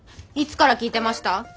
いつから聞いてました？